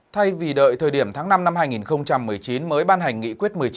thay vì đợi thời điểm tháng năm năm hai nghìn một mươi chín mới ban hành nghị quyết một mươi chín